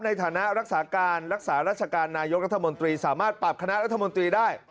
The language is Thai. ในฐานะรักษาการรักษาราชการนายกรัฐมนตรีสามารถปรับคณะรัฐมนตรีได้